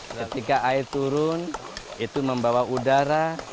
ketika air turun itu membawa udara